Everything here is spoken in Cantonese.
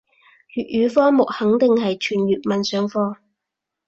粵語科目肯定係全粵文上課